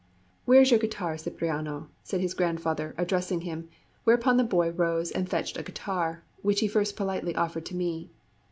"Where is your guitar, Cipriano?" said his grandfather, addressing him, whereupon the boy rose and fetched a guitar, which he first politely offered to me.